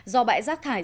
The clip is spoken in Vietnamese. do bãi rác thải